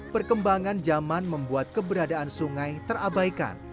perkembangan zaman membuat keberadaan sungai terabaikan